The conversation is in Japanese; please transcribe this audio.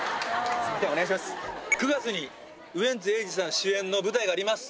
９月にウエンツ瑛士さん主演の舞台があります。